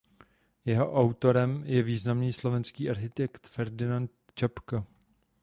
Jeho autorem je významný slovenský architekt Ferdinand Čapka.